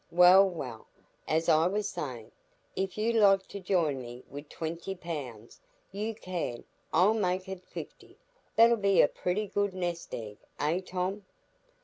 "Well, well, as I was sayin', if you like to join me wi' twenty pounds, you can—I'll make it fifty. That'll be a pretty good nest egg, eh, Tom?"